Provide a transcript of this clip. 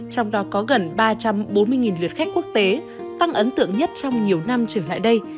trong đó có gần ba trăm bốn mươi lượt khách quốc tế tăng ấn tượng nhất trong nhiều năm trở lại đây